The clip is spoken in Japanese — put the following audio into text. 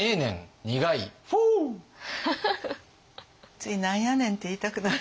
つい「なんやねん」って言いたくなる。